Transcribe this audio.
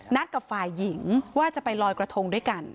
นัดกับฝ่ายหญิงว่าจะไปลอยกระทงด้วยกัน